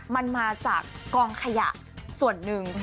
มันมาจากกองขยะส่วนหนึ่ง